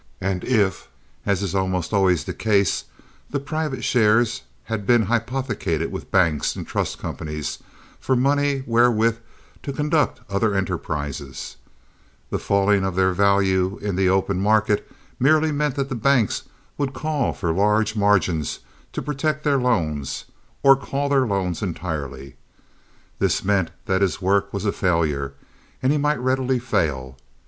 And if, as is almost always the case, the private shares had been hypothecated with banks and trust companies for money wherewith to conduct other enterprises, the falling of their value in the open market merely meant that the banks would call for large margins to protect their loans or call their loans entirely. This meant that his work was a failure, and he might readily fail.